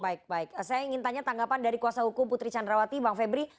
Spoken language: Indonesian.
baik baik saya ingin tanya tanggapan dari kuasa hukum putri candrawati bang febri